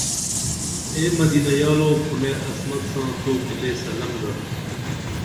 اے مدینہ یالو کھونڈے عصمت ساں توکی لے سلم درو